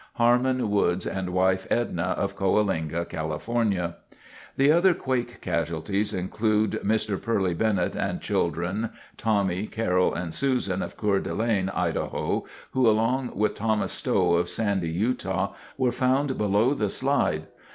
Harmon Woods and wife, Edna, of Coalinga, Calif. The other quake casualties include Mr. Purley Bennett and children, Tommy, Carole and Susan of Coeur d'Alene, Idaho, who, along with Thomas Stowe of Sandy, Utah, were found below the slide.